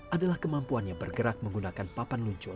adalah kemampuannya bergerak menggunakan kaki yang terlalu besar